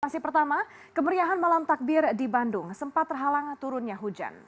masih pertama kemeriahan malam takbir di bandung sempat terhalang turunnya hujan